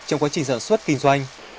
trong quá trình sản xuất kinh doanh